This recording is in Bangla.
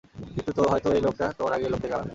কিংবা হয়তো এই লোকটা তোমার আগের লোক থেকে আলাদা?